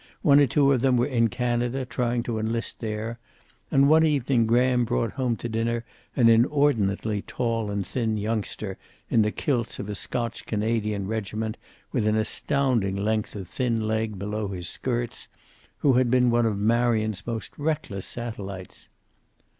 One or two of them were in Canada, trying to enlist there, and one evening Graham brought home to dinner an inordinately tall and thin youngster in the kilts of a Scotch Canadian regiment, with an astounding length of thin leg below his skirts, who had been one of Marion's most reckless satellites.